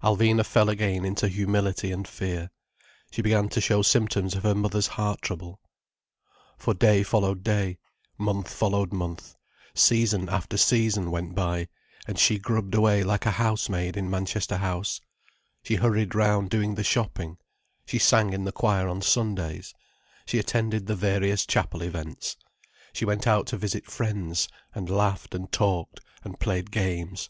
Alvina fell again into humility and fear: she began to show symptoms of her mother's heart trouble. For day followed day, month followed month, season after season went by, and she grubbed away like a housemaid in Manchester House, she hurried round doing the shopping, she sang in the choir on Sundays, she attended the various chapel events, she went out to visit friends, and laughed and talked and played games.